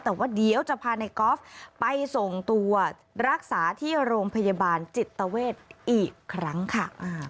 แต่ว่าเดี๋ยวจะพาในกอล์ฟไปส่งตัวรักษาที่โรงพยาบาลจิตเวทอีกครั้งค่ะ